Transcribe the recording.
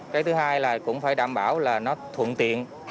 cái thứ hai là cũng phải đảm bảo là nó thuận tiện